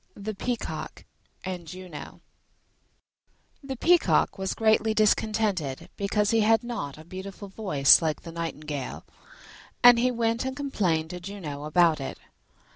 THE PEACOCK AND JUNO The Peacock was greatly discontented because he had not a beautiful voice like the nightingale, and he went and complained to Juno about it.